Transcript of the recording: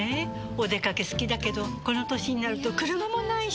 お出かけ好きだけどこの歳になると車もないし。